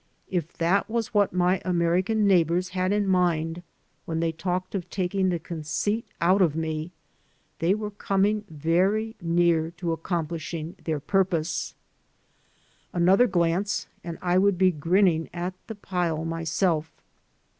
If that was what my American neighbors had in mind when they talked of taking the conceit out of me, they were coming very near to accomplishing their purpose. Another glance and I would be grinning at the pile myself.